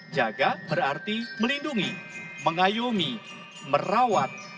jaga berarti melindungi mengayomi merawat